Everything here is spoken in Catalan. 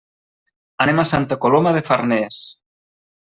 Anem a Santa Coloma de Farners.